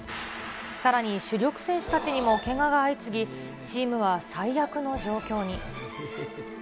さらに主力選手たちにもけがが相次ぎ、チームは最悪の状況に。